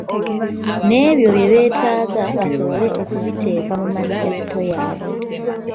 N'ebyo bye beetaaga basobole okubiteeka mu manifesto yaabwe.